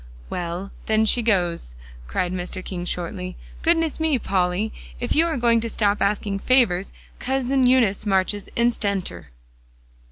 "Well, then she goes," cried Mr. King shortly. "Goodness me, Polly, if you are going to stop asking favors, Cousin Eunice marches instanter!"